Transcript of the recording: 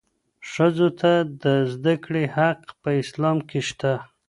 ښځو ته د زدهکړې حق په اسلام کې شته.